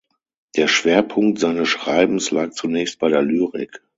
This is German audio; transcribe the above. Der Schwerpunkt seines Schreibens lag zunächst bei der Lyrik.